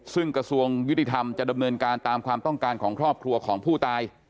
ซึ่งกระทรวงยุติธรรมจะดำเนินการตามความต้องการของครอบครัวของผู้ตาย